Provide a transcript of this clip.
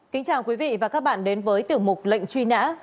kính chào quý vị và các bạn đến với tiểu mục lệnh truy nã